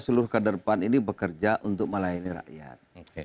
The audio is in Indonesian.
seluruh ke depan ini bekerja untuk melayani rakyat